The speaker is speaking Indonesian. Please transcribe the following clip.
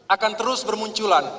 akan terus bermunculan